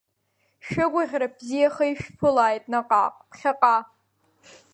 Шәыгәыӷьра бзиаха ишәԥылааит наҟ-наҟ, ԥхьаҟа!